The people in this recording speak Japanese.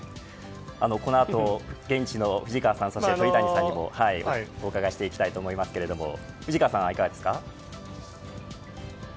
この後、現地の藤川さんそして鳥谷さんにもお伺いしていきたいと思いますけども藤川さんはいかがですか。